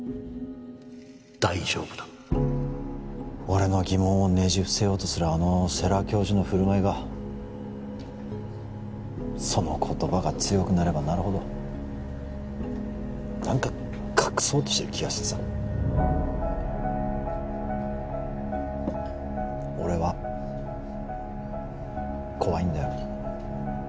大丈夫だ俺の疑問をねじ伏せようとするあの世良教授の振る舞いがその言葉が強くなればなるほどなんか隠そうとしてる気がしてさ俺は怖いんだよ